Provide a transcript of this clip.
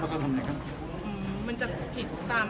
ในการไปลงพื้นที่เดิมสอบ